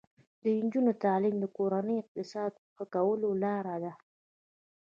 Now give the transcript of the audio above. د نجونو تعلیم د کورنۍ اقتصاد ښه کولو لاره ده.